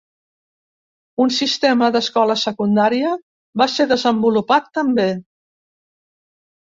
Un sistema d'escola secundària va ser desenvolupat també.